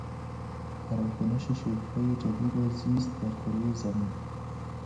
پراکنش شکلهای جدید زیست در کرهی زمین